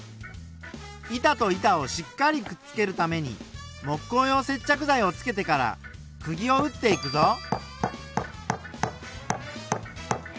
板と板をしっかりくっつけるために木工用接着剤をつけてからくぎを打っていくぞ。